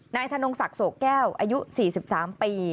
ธนงศักดิ์โสแก้วอายุ๔๓ปี